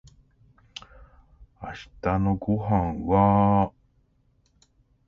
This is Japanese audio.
明日のご飯は